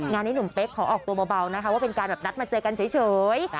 งานนี้หนุ่มเป๊กขอออกตัวเบานะคะว่าเป็นการแบบนัดมาเจอกันเฉย